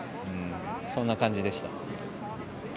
そんな感じでした。